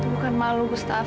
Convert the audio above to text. bukan malu gustaf